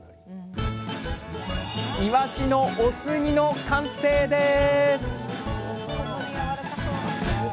「いわしのお酢煮」の完成です！